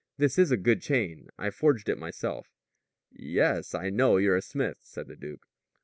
"This is a good chain. I forged it myself." "Yes, I know you're a smith," said the duke.